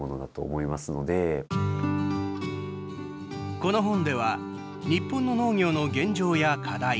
この本では日本の農業の現状や課題